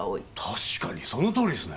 確かにそのとおりっすね。